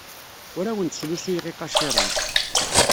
Ur awent-slusuyeɣ iqaciren.